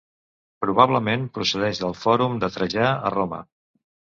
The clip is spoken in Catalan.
Probablement, procedeix del Fòrum de Trajà, a Roma.